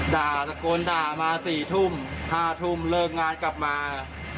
ด่าตะโกนด่ามา๔ทุ่ม๕ทุ่มเลิกงานกลับมา